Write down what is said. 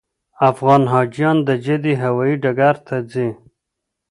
افغان حاجیان د جدې هوایي ډګر ته ځي.